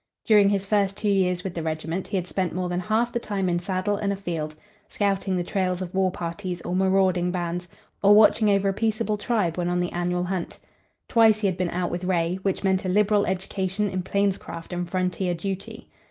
During his first two years with the regiment he had spent more than half the time in saddle and afield, scouting the trails of war parties or marauding bands, or watching over a peaceable tribe when on the annual hunt. Twice he had been out with Ray, which meant a liberal education in plainscraft and frontier duty.